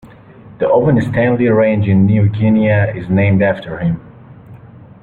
The Owen Stanley Range in New Guinea is named after him.